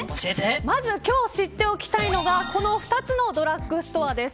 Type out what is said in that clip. まず今日知っておきたいのがこの２つのドラッグストアです。